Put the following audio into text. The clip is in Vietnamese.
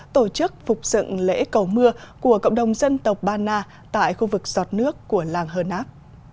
tổ chức phục dựng lễ cầu mưa của cộng đồng dân tộc ba na tại khu vực giọt nước của làng hơ nác